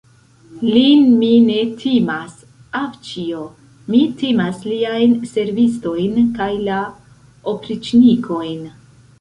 Lin mi ne timas, avĉjo, mi timas liajn servistojn kaj la opriĉnikojn.